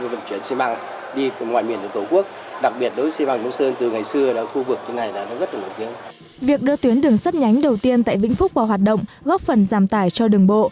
việc đưa tuyến đường sắt nhánh đầu tiên tại vĩnh phúc vào hoạt động góp phần giảm tải cho đường bộ